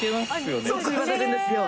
よく言われるんですよ。